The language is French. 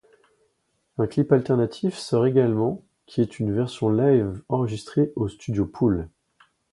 Un clip alternatif sort également qui est une version live enregistrée aux studios Pool.